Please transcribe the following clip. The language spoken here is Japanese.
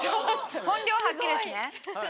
本領発揮ですね。